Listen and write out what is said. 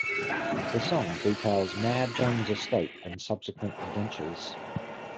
The song details Mad John's escape and subsequent adventures.